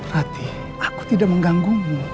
rati aku tidak mengganggumu